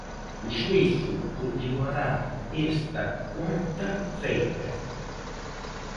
O xuízo continuará esta cuarta feira.